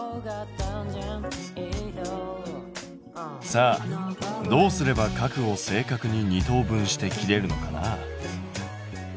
さあどうすれば角を正確に二等分して切れるのかな？